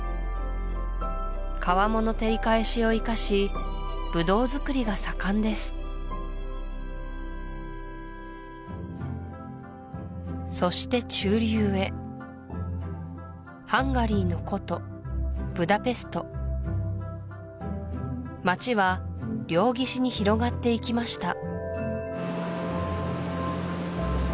川面の照り返しを生かしブドウづくりが盛んですそして中流へハンガリーの古都ブダペスト街は両岸に広がっていきました